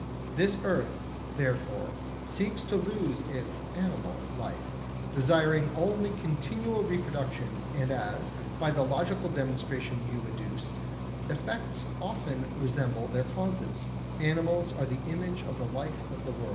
This earth, therefore, seeks to lose its [animal] life, desiring only continual reproduction, and as, by the logical demonstration you adduce, effects often resemble their causes, animals are the image of the life of the world.